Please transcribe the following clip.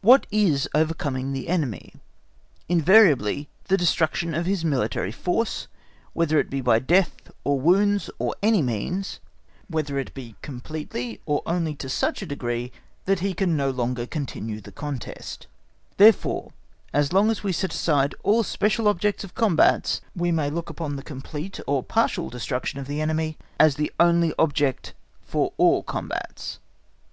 What is overcoming the enemy? Invariably the destruction of his military force, whether it be by death, or wounds, or any means; whether it be completely or only to such a degree that he can no longer continue the contest; therefore as long as we set aside all special objects of combats, we may look upon the complete or partial destruction of the enemy as the only object of all combats.